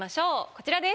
こちらです。